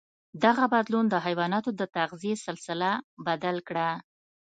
دغه بدلون د حیواناتو د تغذيې سلسله بدل کړه.